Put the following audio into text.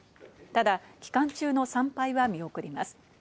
ただ、期間中の参拝は見送ります。